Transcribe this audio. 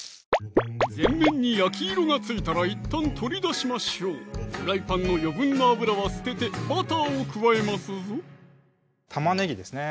全面に焼き色がついたらいったん取り出しましょうフライパンの余分な油は捨ててバターを加えますぞ玉ねぎですね